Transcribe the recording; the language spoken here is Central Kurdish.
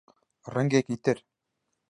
ڕەنگێکی تر